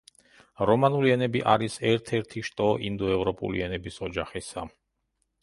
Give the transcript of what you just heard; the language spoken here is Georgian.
რომანული ენები არის ერთ-ერთი შტო ინდოევროპული ენების ოჯახისა.